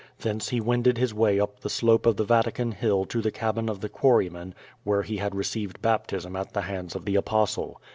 Thence h^ wended his way up the slope of the Vatican Hill to the cabin of the quarryman, where he had received baptism at the hands of the Apostle.